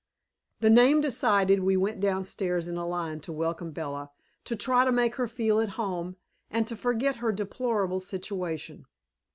The name decided, we went downstairs in a line to welcome Bella, to try to make her feel at home, and to forget her deplorable situation.